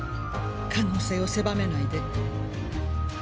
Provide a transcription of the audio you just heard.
可能性を狭めないで。